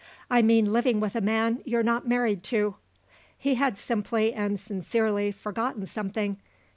"I mean living with a man you're not married to." He had simply and sincerely forgotten something.